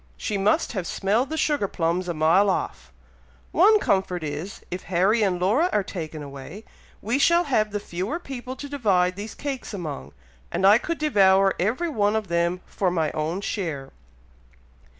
she must have smelled the sugar plums a mile off! one comfort is, if Harry and Laura are taken away, we shall have the fewer people to divide these cakes among, and I could devour every one of them, for my own share."